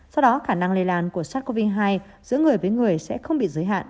sau đó khả năng lây lan của sars cov hai giữa người với người sẽ không bị giới hạn